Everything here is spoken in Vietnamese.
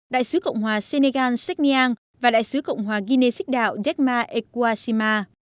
đại sứ cộng hòa senegal seknyang và đại sứ cộng hòa guinea xích đạo yagma ekwasima